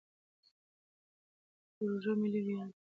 پروژه ملي ویاړ دی.